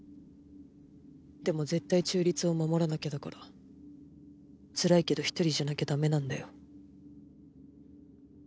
でも絶対中立を守らなきゃだからつらいけど一人じゃなきゃダメなんだよ。